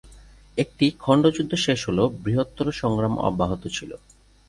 একটি খন্ডযুদ্ধ শেষ হলেও বৃহত্তর সংগ্রাম অব্যাহত ছিল।